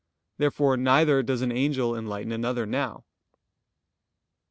Therefore neither does an angel enlighten another now.